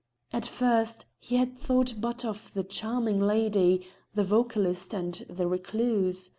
At first he had thought but of the charming lady, the vocalist, and the recluse.